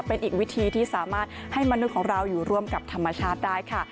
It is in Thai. เป็นอีกวิธีที่สามารถให้มนุษย์ของเราอยู่ร่วมกับธรรมชาติได้ค่ะ